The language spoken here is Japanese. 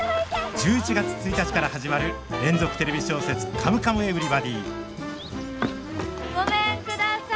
１１月１日から始まる連続テレビ小説「カムカムエヴリバディ」ごめんください。